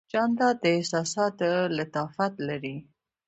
جانداد د احساساتو لطافت لري.